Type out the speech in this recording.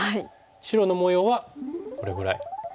白の模様はこれぐらい。